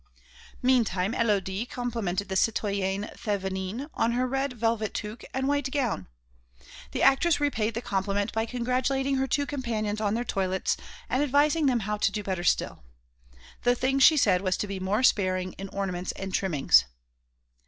Meantime Élodie complimented the citoyenne Thévenin on her red velvet toque and white gown. The actress repaid the compliment by congratulating her two companions on their toilets and advising them how to do better still; the thing, she said, was to be more sparing in ornaments and trimmings.